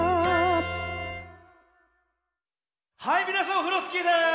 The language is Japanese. はいみなさんオフロスキーです！